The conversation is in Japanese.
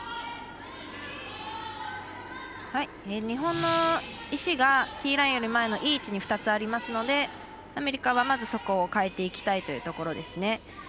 日本の石がティーラインより前のいい位置に２つありますのでアメリカは、まずそこを変えていきたいというところです。